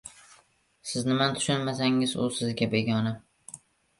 Siz nimani tushunmasangiz, u sizga begona.